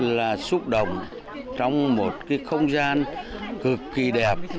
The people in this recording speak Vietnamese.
là xúc động trong một cái không gian cực kỳ đẹp